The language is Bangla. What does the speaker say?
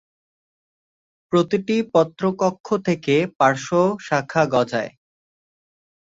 প্রতিটি পত্রকক্ষ থেকে পার্শ্বশাখা গজায়।